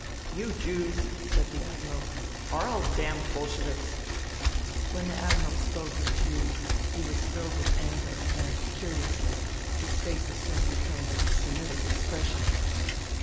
" You Jews," said the Admiral, " are all damned Bolsheviks." When the Admiral spoke of Jews he was filled with anger and, curiously, his face assumed a kind of Semitic expression.